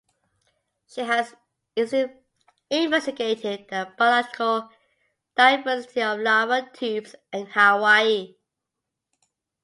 She has investigated the biological diversity of lava tubes in Hawaii.